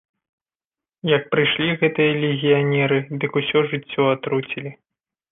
Як прыйшлі гэтыя легіянеры, дык усё жыццё атруцілі.